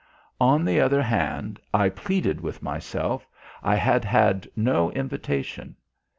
On the other hand, I pleaded with myself, I had had no invitation.